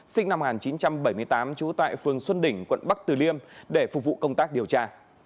sinh năm một nghìn chín trăm bảy mươi tám trú tại phường xuân đỉnh quận bắc từ liêm để phục vụ công tác điều tra